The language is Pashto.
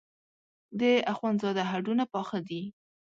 د اخوندزاده هډونه پاخه دي.